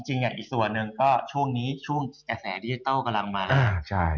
อย่างอีกส่วนหนึ่งก็ช่วงนี้ช่วงกระแสดิจิทัลกำลังมา